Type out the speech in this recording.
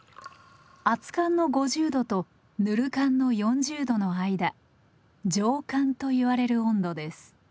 熱燗の５０度とぬる燗の４０度の間上燗と言われる温度です。